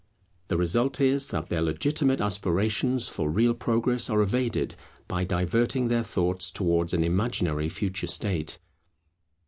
The result is, that their legitimate aspirations for real progress are evaded, by diverting their thoughts towards an imaginary future state.